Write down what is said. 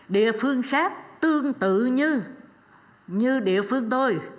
địa phương khác tương tự như địa phương tôi